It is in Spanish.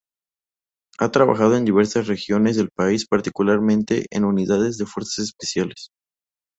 Ha trabajado en diversas regiones del país, particularmente en Unidades de Fuerzas especiales.